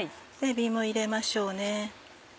えびも入れましょうね。